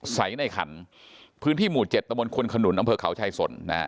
สายในขันพื้นที่หมู่เจ็ดตะมนต์คนขนุนอำเภอคาวไชสนนะฮะ